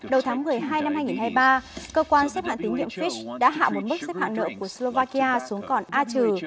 đầu tháng một mươi hai năm hai nghìn hai mươi ba cơ quan xếp hạng tín nhiệm fis đã hạ một mức xếp hạng nợ của slovakia xuống còn a trừ